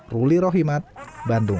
ruli rohimat bandung